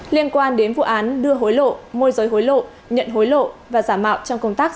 liên quan đến vụ án đưa hối lộ môi giới hối lộ nhận hối lộ và giả mạo trong công tác